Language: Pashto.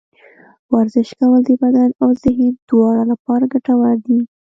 ورزش کول د بدن او ذهن دواړه لپاره ګټور دي.